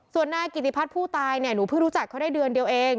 ส่วนนายกิติพัฒน์ผู้ตายเนี่ยหนูเพิ่งรู้จักเขาได้เดือนเดียวเอง